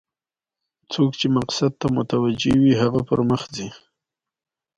لکه دردونه د سرطان نڅیږي